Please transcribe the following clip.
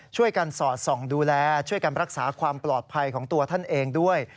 สอดส่องดูแลช่วยกันรักษาความปลอดภัยของตัวท่านเองด้วย